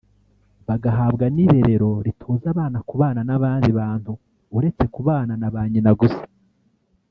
bagahabwa n’irerero ritoza abana kubana n’abandi bantu uretse kubana na ba nyina gusa